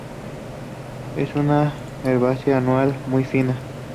Es una herbácea anual muy fina.